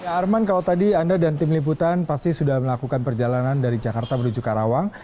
ya arman kalau tadi anda dan tim liputan pasti sudah melakukan perjalanan dari jakarta menuju karawang